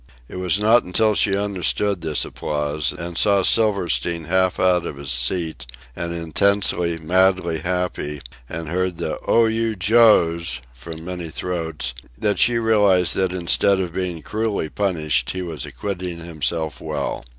It was not until she understood this applause, and saw Silverstein half out of his seat and intensely, madly happy, and heard the "Oh, you, Joe's!" from many throats, that she realized that instead of being cruelly punished he was acquitting himself well.